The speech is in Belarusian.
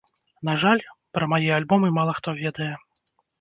На жаль, пра мае альбомы мала хто ведае.